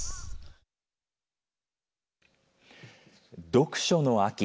読書の秋